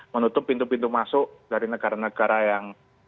menutup pintu pintu masuk dari negara negara yang